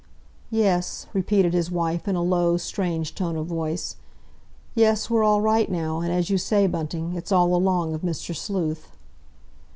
"Yes," repeated his wife, in a low, strange tone of voice. "Yes, we're all right now, and as you say, Bunting, it's all along of Mr. Sleuth."